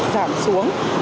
giảm mức kỷ lục của người dân